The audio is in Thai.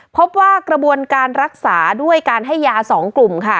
พบว่ากระบวนการรักษาด้วยการให้ยา๒กลุ่มค่ะ